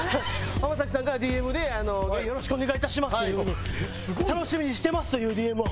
浜崎さんからＤＭで「よろしくお願いいたします」という「楽しみにしてます」というＤＭを。